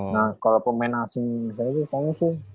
nah kalo pemain asing misalnya tuh katanya sih